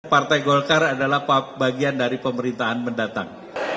partai golkar adalah bagian dari pemerintahan mendatang